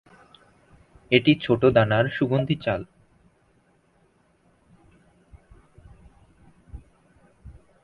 এটি ছোটো দানার সুগন্ধি চাল।